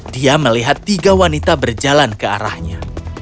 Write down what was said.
dia melihat tiga wanita berjalan ke arahnya